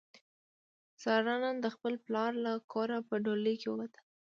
ساره نن د خپل پلار له کوره په ډولۍ کې ووته.